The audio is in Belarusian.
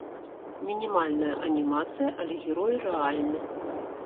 Мінімальная анімацыя, але герой рэальны.